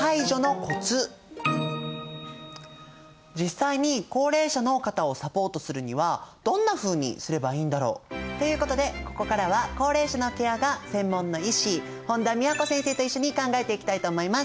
実際に高齢者の方をサポートするにはどんなふうにすればいいんだろう？ということでここからは高齢者のケアが専門の医師本田美和子先生と一緒に考えていきたいと思います。